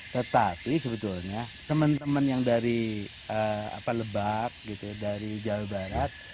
tetapi sebetulnya teman teman yang dari lebak dari jawa barat